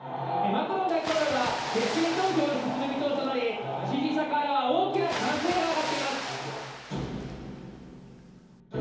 マクロン大統領が決選投票に進む見通しとなり、支持者からは大きな歓声が上がっています。